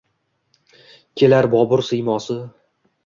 Kelar Bobur siymosi.